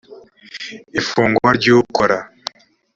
ifungwa ry’ukora tig